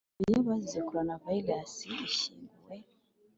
imirambo y’abazize corona virus ishyinguwe